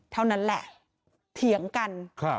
เท่านั้นแหละเถียงกัน